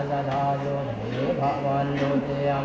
ทุติยังปิตพุทธธาเป็นที่พึ่ง